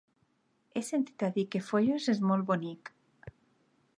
He sentit a dir que Foios és molt bonic.